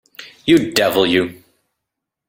You devil, you!